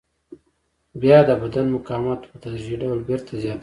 بیا د بدن مقاومت په تدریجي ډول بېرته زیاتوي.